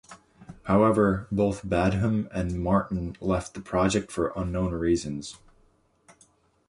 However, both Badham and Martin left the project for unknown reasons.